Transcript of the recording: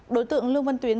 đối tượng lương văn tuyến